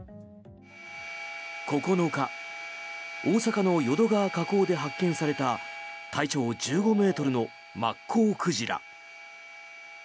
９日、大阪の淀川河口で発見された体長１５ｍのマッコウクジラ。